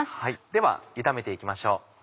では炒めて行きましょう。